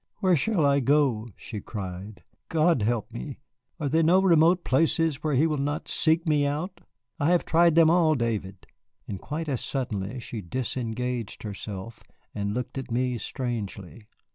"Where shall I go?" she cried. "God help me! Are there no remote places where He will not seek me out? I have tried them all, David." And quite as suddenly she disengaged herself, and looked at me strangely.